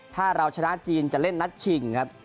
ถ้าเราชนะจีนจะเล่นนัดชิงครับ